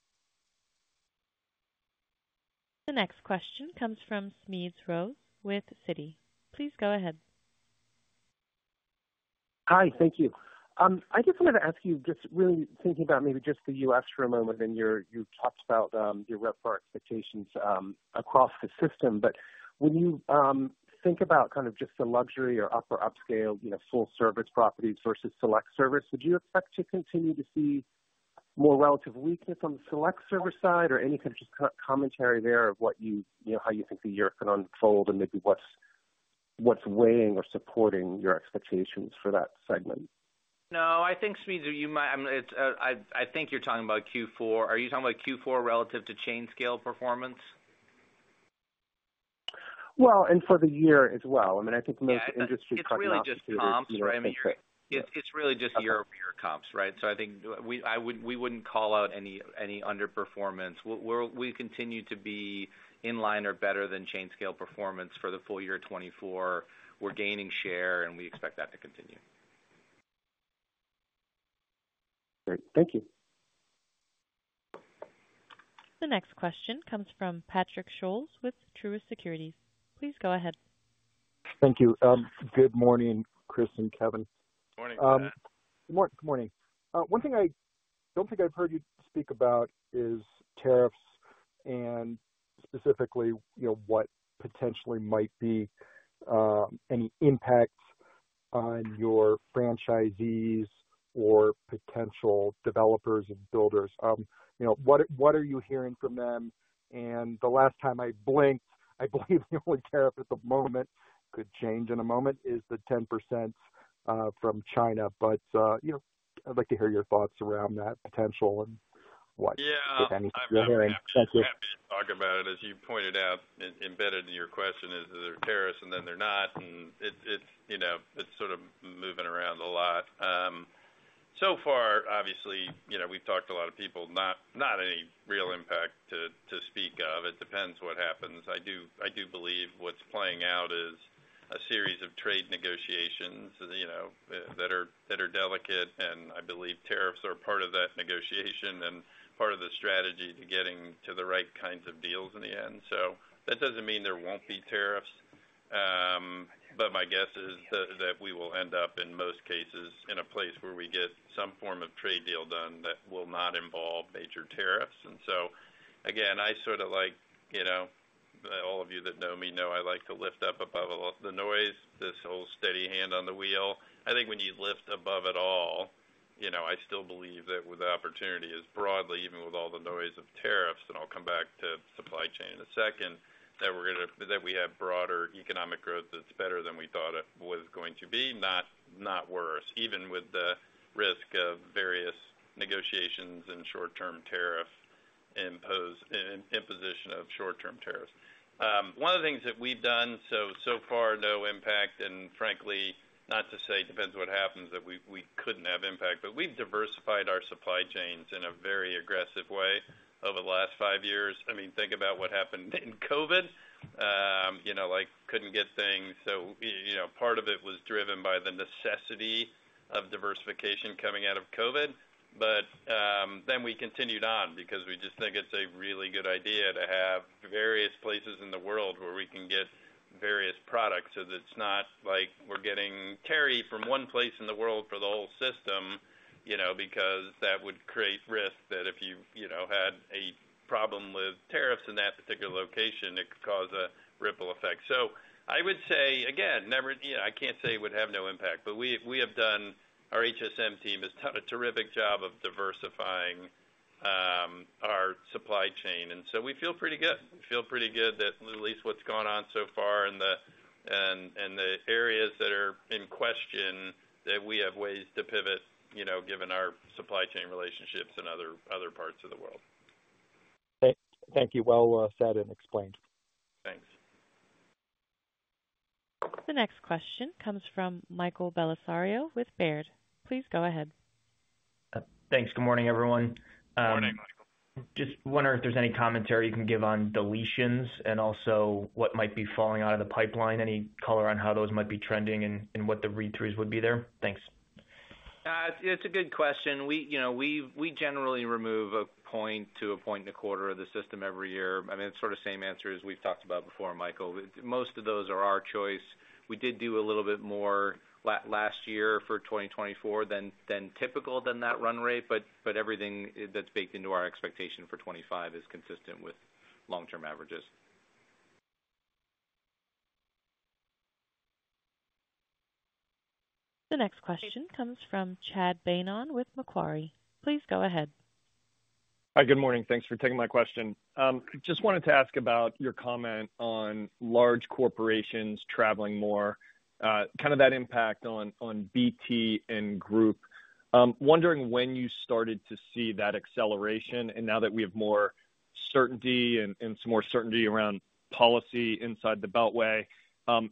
The next question comes from Smedes Rose with Citi. Please go ahead. Hi, thank you. I just wanted to ask you, just really thinking about maybe just the U.S. for a moment, and you talked about your RevPAR expectations across the system. But when you think about kind of just the luxury or upper upscale full-service properties versus select service, would you expect to continue to see more relative weakness on the select service side or any kind of just commentary there of how you think the year can unfold and maybe what's weighing or supporting your expectations for that segment? No, I think, Smedes, you might, I think you're talking about Q4. Are you talking about Q4 relative to chain scale performance? For the year as well. I mean, I think most industry comps are in the Q4. It's really just year-over-year comps, right? So I think we wouldn't call out any underperformance. We continue to be in line or better than chain scale performance for the full year 2024. We're gaining share, and we expect that to continue. Great. Thank you. The next question comes from Patrick Scholes with Truist Securities. Please go ahead. Thank you. Good morning, Chris and Kevin. Good morning. Good morning. One thing I don't think I've heard you speak about is tariffs and specifically what potentially might be any impact on your franchisees or potential developers and builders. What are you hearing from them? And the last time I blinked, I believe the only tariff at the moment could change in a moment is the 10% from China. But I'd like to hear your thoughts around that potential and what if anything. Yeah. I've been talking about it, as you pointed out, embedded in your question is that there are tariffs and then there are not, and it's sort of moving around a lot. So far, obviously, we've talked to a lot of people, not any real impact to speak of. It depends what happens. I do believe what's playing out is a series of trade negotiations that are delicate, and I believe tariffs are part of that negotiation and part of the strategy to getting to the right kinds of deals in the end. So that doesn't mean there won't be tariffs, but my guess is that we will end up, in most cases, in a place where we get some form of trade deal done that will not involve major tariffs. And so, again, I sort of like all of you that know me know I like to lift up above the noise, this whole steady hand on the wheel. I think when you lift above it all, I still believe that with the opportunity is broadly, even with all the noise of tariffs, and I'll come back to supply chain in a second, that we have broader economic growth that's better than we thought it was going to be, not worse, even with the risk of various negotiations and short-term tariff imposition of short-term tariffs. One of the things that we've done, so far, no impact, and frankly, not to say it depends on what happens, that we couldn't have impact, but we've diversified our supply chains in a very aggressive way over the last five years. I mean, think about what happened in COVID. Couldn't get things. So part of it was driven by the necessity of diversification coming out of COVID. But then we continued on because we just think it's a really good idea to have various places in the world where we can get various products so that it's not like we're getting terry from one place in the world for the whole system because that would create risk that if you had a problem with tariffs in that particular location, it could cause a ripple effect. So I would say, again, I can't say it would have no impact, but our HSM team has done a terrific job of diversifying our supply chain. And so we feel pretty good. We feel pretty good that at least what's gone on so far and the areas that are in question that we have ways to pivot given our supply chain relationships and other parts of the world. Thank you. Well said and explained. Thanks. The next question comes from Michael Belisario with Baird. Please go ahead. Thanks. Good morning, everyone. Good morning, Michael. Just wondering if there's any commentary you can give on deletions and also what might be falling out of the pipeline, any color on how those might be trending and what the read-throughs would be there. Thanks. It's a good question. We generally remove a point to a point and a quarter of the system every year. I mean, it's sort of the same answer as we've talked about before, Michael. Most of those are our choice. We did do a little bit more last year for 2024 than typical than that run rate, but everything that's baked into our expectation for 2025 is consistent with long-term averages. The next question comes from Chad Beynon with Macquarie. Please go ahead. Hi, good morning. Thanks for taking my question. Just wanted to ask about your comment on large corporations traveling more, kind of that impact on BT and group. Wondering when you started to see that acceleration and now that we have more certainty and some more certainty around policy inside the Beltway,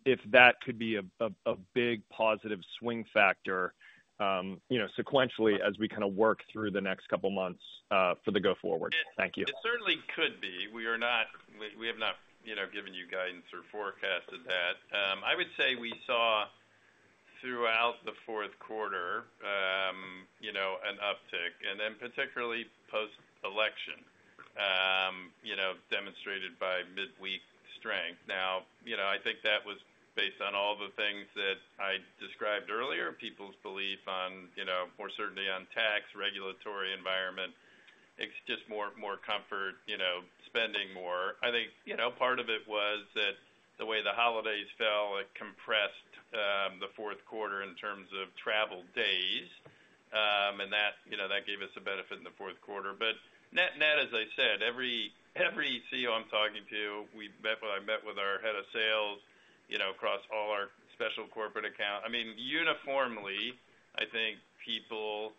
if that could be a big positive swing factor sequentially as we kind of work through the next couple of months for the go forward. Thank you. It certainly could be. We have not given you guidance or forecasted that. I would say we saw throughout the fourth quarter an uptick, and then particularly post-election, demonstrated by midweek strength. Now, I think that was based on all the things that I described earlier, people's belief on more certainty on tax, regulatory environment. It's just more comfort spending more. I think part of it was that the way the holidays fell, it compressed the fourth quarter in terms of travel days, and that gave us a benefit in the fourth quarter. But net, as I said, every CEO I'm talking to, I met with our head of sales across all our special corporate accounts. I mean, uniformly, I think people,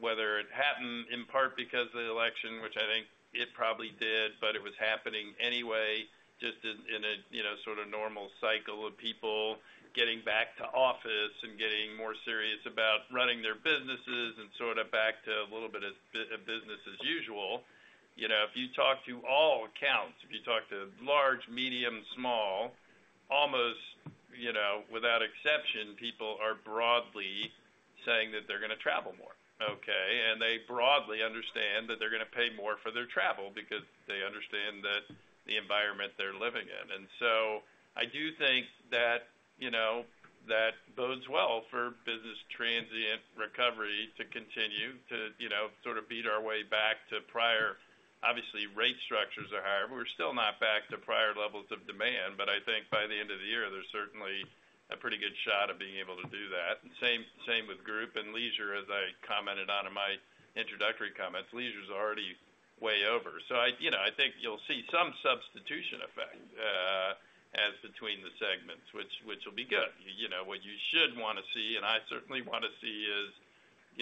whether it happened in part because of the election, which I think it probably did, but it was happening anyway, just in a sort of normal cycle of people getting back to office and getting more serious about running their businesses and sort of back to a little bit of business as usual. If you talk to all accounts, if you talk to large, medium, small, almost without exception, people are broadly saying that they're going to travel more, okay? And they broadly understand that they're going to pay more for their travel because they understand the environment they're living in. And so I do think that bodes well for business transient recovery to continue to sort of beat our way back to prior. Obviously, rate structures are higher. We're still not back to prior levels of demand, but I think by the end of the year, there's certainly a pretty good shot of being able to do that. And same with group and leisure, as I commented on in my introductory comments. Leisure is already way over. So I think you'll see some substitution effect as between the segments, which will be good. What you should want to see, and I certainly want to see, is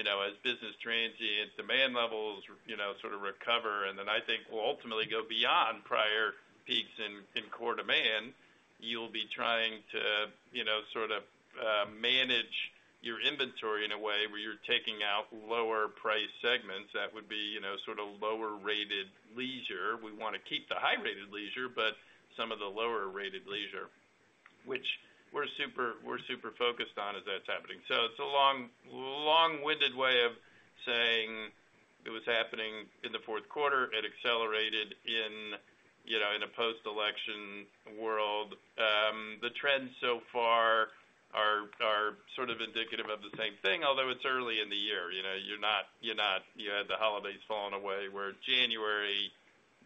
as business transient demand levels sort of recover, and then I think will ultimately go beyond prior peaks in core demand, you'll be trying to sort of manage your inventory in a way where you're taking out lower price segments that would be sort of lower rated leisure. We want to keep the high rated leisure, but some of the lower rated leisure, which we're super focused on as that's happening. So it's a long-winded way of saying it was happening in the fourth quarter. It accelerated in a post-election world. The trends so far are sort of indicative of the same thing, although it's early in the year. You had the holidays falling away where January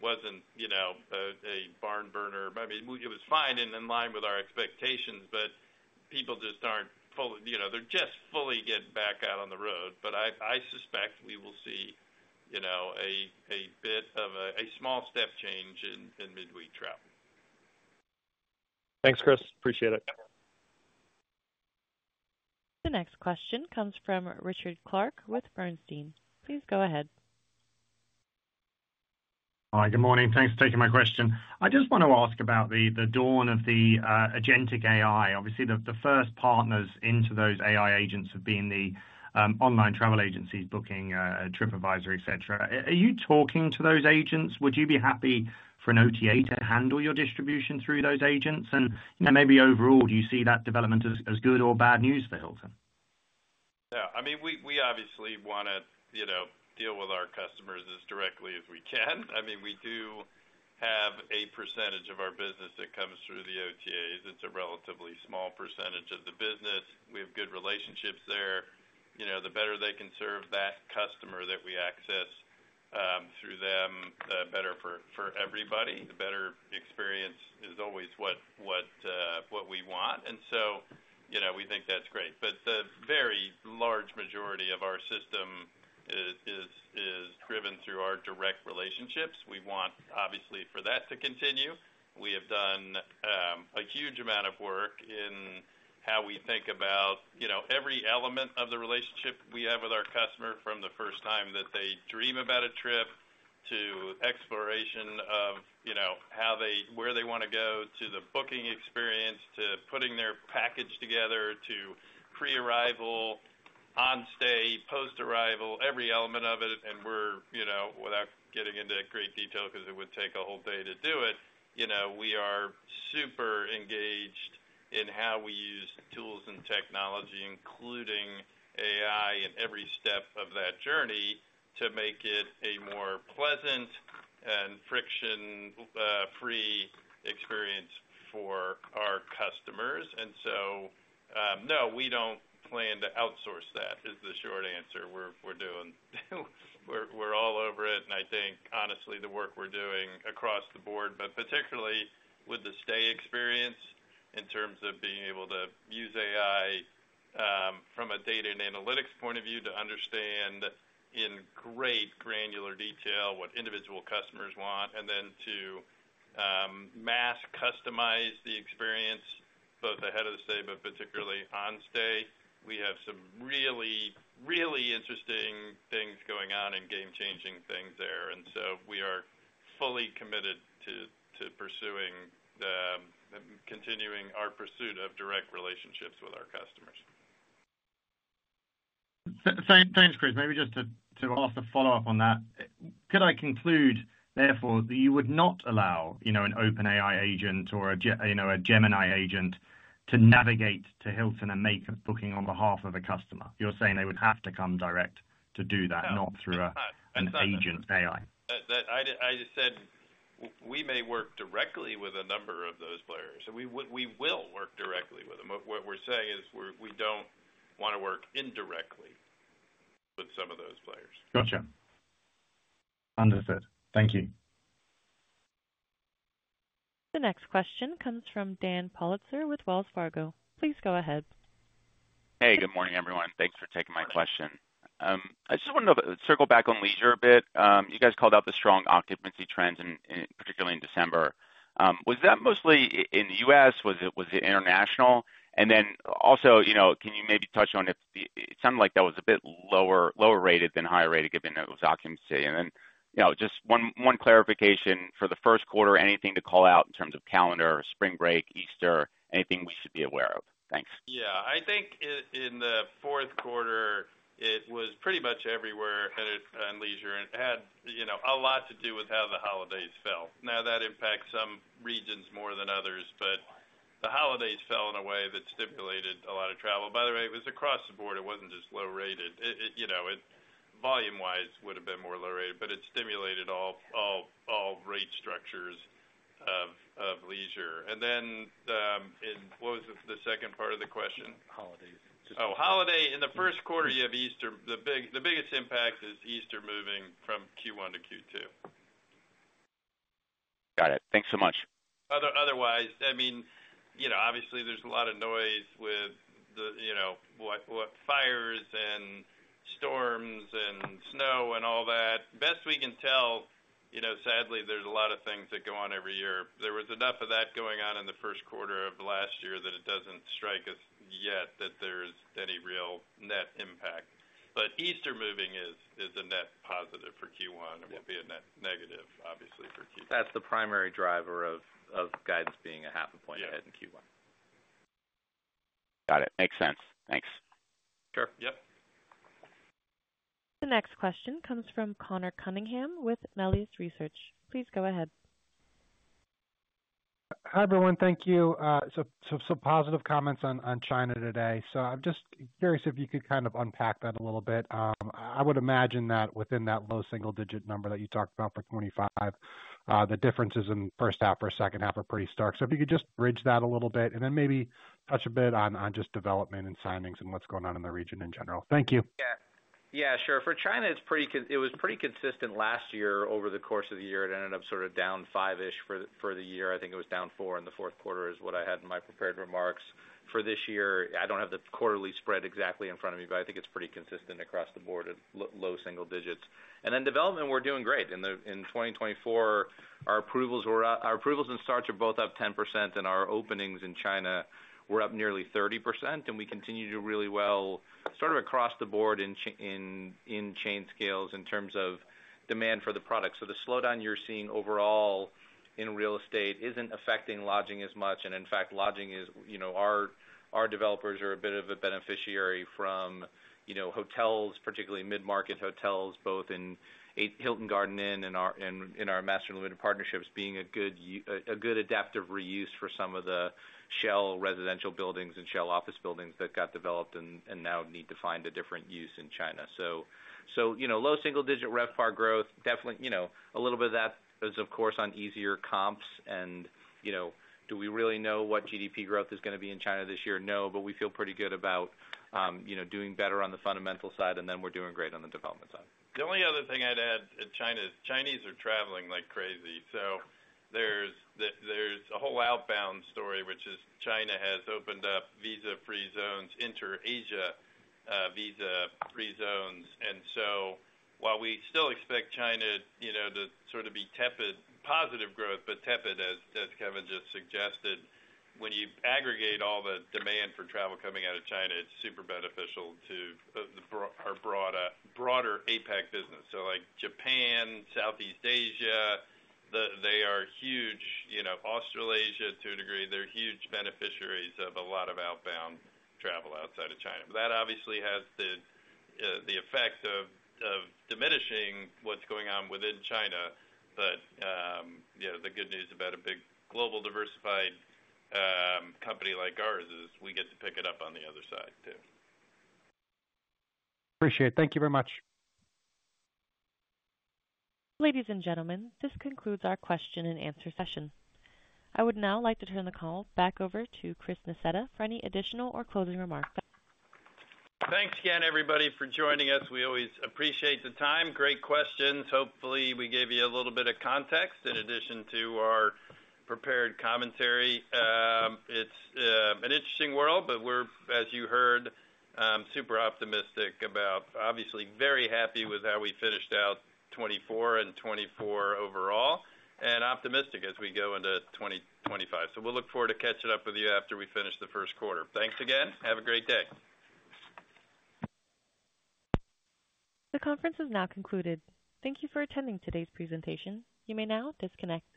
wasn't a barn burner. I mean, it was fine and in line with our expectations, but people just aren't fully, they're just fully getting back out on the road. But I suspect we will see a bit of a small step change in midweek travel. Thanks, Chris. Appreciate it. The next question comes from Richard Clarke with Bernstein. Please go ahead. Hi, good morning. Thanks for taking my question. I just want to ask about the dawn of the agentic AI. Obviously, the first partners into those AI agents have been the online travel agencies Booking and Tripadvisor, etc. Are you talking to those agents? Would you be happy for an OTA to handle your distribution through those agents, and maybe overall, do you see that development as good or bad news for Hilton? Yeah. I mean, we obviously want to deal with our customers as directly as we can. I mean, we do have a percentage of our business that comes through the OTAs. It's a relatively small percentage of the business. We have good relationships there. The better they can serve that customer that we access through them, the better for everybody. The better experience is always what we want. And so we think that's great. But the very large majority of our system is driven through our direct relationships. We want, obviously, for that to continue. We have done a huge amount of work in how we think about every element of the relationship we have with our customer from the first time that they dream about a trip to exploration of where they want to go to the booking experience to putting their package together to pre-arrival, on stay, post-arrival, every element of it. And without getting into great detail because it would take a whole day to do it, we are super engaged in how we use tools and technology, including AI, in every step of that journey to make it a more pleasant and friction-free experience for our customers. And so, no, we don't plan to outsource that. That is the short answer. We're all over it. And I think, honestly, the work we're doing across the board, but particularly with the stay experience in terms of being able to use AI from a data and analytics point of view to understand in great granular detail what individual customers want, and then to mass customize the experience both ahead of the stay, but particularly on stay. We have some really, really interesting things going on and game-changing things there. And so we are fully committed to continuing our pursuit of direct relationships with our customers. Thanks, Chris. Maybe just to ask a follow-up on that. Could I conclude, therefore, that you would not allow an OpenAI agent or a Gemini agent to navigate to Hilton and make a booking on behalf of a customer? You're saying they would have to come direct to do that, not through an agent AI? I just said we may work directly with a number of those players. We will work directly with them. What we're saying is we don't want to work indirectly with some of those players. Gotcha. Understood. Thank you. The next question comes from Dan Politzer with Wells Fargo. Please go ahead. Hey, good morning, everyone. Thanks for taking my question. I just wanted to circle back on leisure a bit. You guys called out the strong occupancy trends, particularly in December. Was that mostly in the U.S.? Was it international? And then also, can you maybe touch on it? It sounded like that was a bit lower rated than higher rated given it was occupancy. And then just one clarification for the first quarter, anything to call out in terms of calendar, spring break, Easter, anything we should be aware of? Thanks. Yeah. I think in the fourth quarter, it was pretty much everywhere and leisure. And it had a lot to do with how the holidays felt. Now, that impacts some regions more than others, but the holidays fell in a way that stimulated a lot of travel. By the way, it was across the board. It wasn't just low rated. Volume-wise, it would have been more low rated, but it stimulated all rate structures of leisure. And then what was the second part of the question? Holidays. Oh, holiday. In the first quarter, you have Easter. The biggest impact is Easter moving from Q1 to Q2. Got it. Thanks so much. Otherwise, I mean, obviously, there's a lot of noise with fires and storms and snow and all that. Best we can tell, sadly, there's a lot of things that go on every year. There was enough of that going on in the first quarter of last year that it doesn't strike us yet that there's any real net impact. But Easter moving is a net positive for Q1 and will be a net negative, obviously, for Q2. That's the primary driver of guidance being 0.5 point ahead in Q1. Got it. Makes sense. Thanks. Sure. Yep. The next question comes from Conor Cunningham with Melius Research. Please go ahead. Hi, everyone. Thank you. Some positive comments on China today. So I'm just curious if you could kind of unpack that a little bit. I would imagine that within that low single-digit number that you talked about for 2025, the differences in first half or second half are pretty stark. So if you could just bridge that a little bit and then maybe touch a bit on just development and signings and what's going on in the region in general. Thank you. Yeah. Yeah, sure. For China, it was pretty consistent last year. Over the course of the year, it ended up sort of down five-ish for the year. I think it was down four in the fourth quarter, is what I had in my prepared remarks. For this year, I don't have the quarterly spread exactly in front of me, but I think it's pretty consistent across the board at low single digits, and then development, we're doing great. In 2024, our approvals and starts are both up 10%, and our openings in China were up nearly 30%, and we continue to do really well, sort of across the board in chain scales in terms of demand for the products, so the slowdown you're seeing overall in real estate isn't affecting lodging as much. In fact, lodging developers are a bit of a beneficiary from hotels, particularly mid-market hotels, both in Hilton Garden Inn and our managed limited partnerships being a good adaptive reuse for some of the shell residential buildings and shell office buildings that got developed and now need to find a different use in China. So low single-digit RevPAR growth, definitely a little bit of that is, of course, on easier comps. Do we really know what GDP growth is going to be in China this year? No, but we feel pretty good about doing better on the fundamental side, and then we're doing great on the development side. The only other thing I'd add to China is Chinese are traveling like crazy. So there's a whole outbound story, which is China has opened up visa-free zones into Asia, visa-free zones. And so while we still expect China to sort of be tepid positive growth, but tepid, as Kevin just suggested, when you aggregate all the demand for travel coming out of China, it's super beneficial to our broader APAC business. So Japan, Southeast Asia, they are huge. Australasia, to a degree, they're huge beneficiaries of a lot of outbound travel outside of China. That obviously has the effect of diminishing what's going on within China. But the good news about a big global diversified company like ours is we get to pick it up on the other side too. Appreciate it. Thank you very much. Ladies and gentlemen, this concludes our question and answer session. I would now like to turn the call back over to Chris Nassetta for any additional or closing remarks. Thanks again, everybody, for joining us. We always appreciate the time. Great questions. Hopefully, we gave you a little bit of context in addition to our prepared commentary. It's an interesting world, but we're, as you heard, super optimistic about, obviously, very happy with how we finished out 2024 and 2024 overall, and optimistic as we go into 2025. So we'll look forward to catching up with you after we finish the first quarter. Thanks again. Have a great day. The conference is now concluded. Thank you for attending today's presentation. You may now disconnect.